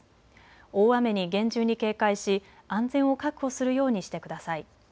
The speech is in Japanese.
大雨に厳重に警戒し安全を確保するようにしてください。